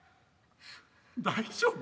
大丈夫？